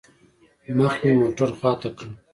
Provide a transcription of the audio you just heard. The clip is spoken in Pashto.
مخ مې موټر خوا ته كړ.